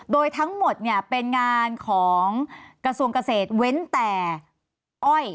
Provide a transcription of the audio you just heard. โดยทั้งหมดเนี่ยเป็นงานของกระทรวงเกษตรเว้นแต่อ้อย